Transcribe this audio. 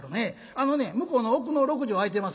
あのね向こうの奥の６畳空いてます